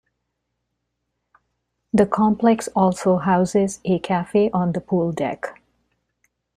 The Complex also houses a cafe on the pool deck.